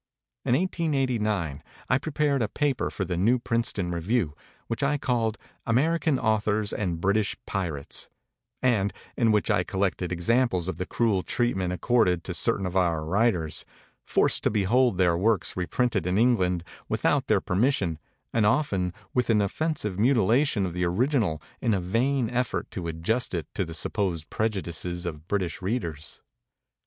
In 1889 I prepared a paper for the New Princeton Review, which I called 'American Authors and British Pirates' and in which I collected examples of the cruel treatment accorded to certain of our writers, forced to behold their works reprinted in Eng land without their permission and often with an offensive mutilation of the original in the vain effort to adjust it to the supposed prejudices of British readers.